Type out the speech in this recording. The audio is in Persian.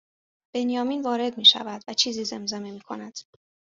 بنیامین وارد میشود و چیزی زمزمه میکند